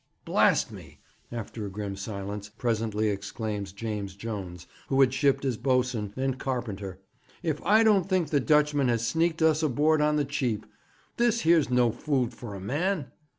'Blast me!' after a grim silence, presently exclaims James Jones, who had shipped as boatswain and carpenter, 'if I don't think the Dutchman has sneaked us aboard on the cheap. This here's no food for a man.'